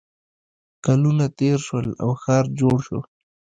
کلونه تېر شول او ښار جوړ شو